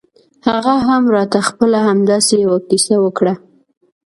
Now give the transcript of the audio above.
هغه هم راته خپله همداسې يوه کيسه وکړه.